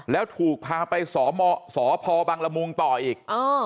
แล้วถูกพาไปสพบังละมุงต่ออีก